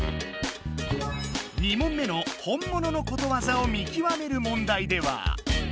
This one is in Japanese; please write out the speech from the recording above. ２問目の本物のことわざを見極める問題では。